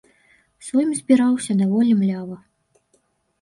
Сойм збіраўся даволі млява.